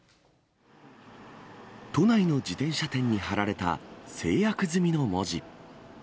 都内の自転車店に貼られた成約済みの文字。